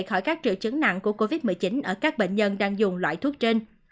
khỏi các triệu chứng nặng của covid một mươi chín ở các bệnh nhân đang dùng loại thuốc trên